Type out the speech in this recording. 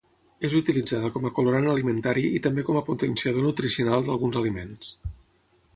És utilitzada com a colorant alimentari i també com a potenciador nutricional d'alguns aliments.